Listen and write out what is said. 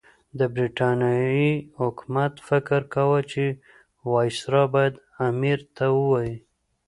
د برټانیې حکومت فکر کاوه چې وایسرا باید امیر ته ووايي.